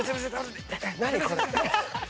何これ？